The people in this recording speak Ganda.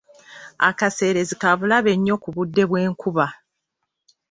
Akaseerezi ka bulabe nnyo ku budde bw'enkuba.